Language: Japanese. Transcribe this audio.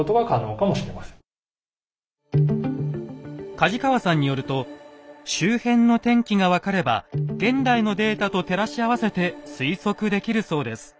梶川さんによると周辺の天気が分かれば現代のデータと照らし合わせて推測できるそうです。